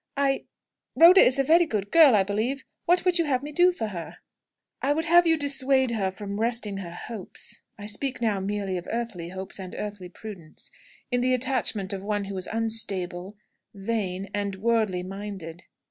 "I Rhoda is a very good girl, I believe; what would you have me do for her?" "I would have you dissuade her from resting her hopes I speak now merely of earthly hopes and earthly prudence on the attachment of one who is unstable, vain, and worldly minded."